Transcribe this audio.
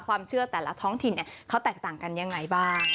ความเชื่อแต่ละท้องถิ่นเนี่ยเขาแตกต่างกันยังไงบ้าง